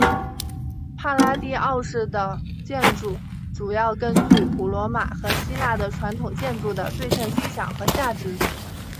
帕拉第奥式的建筑主要根据古罗马和希腊的传统建筑的对称思想和价值。